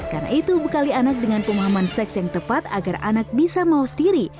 karena itu bekali anak dengan pemahaman seks yang tepat agar anak bisa mau sendiri